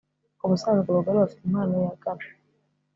Ubusanzwe abagore bafite impano ya gab